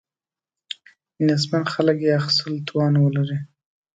نیستمن خلک یې اخیستلو توان ولري.